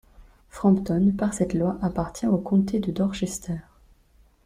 Frampton, par cette loi, appartiendra au comté de Dorchester.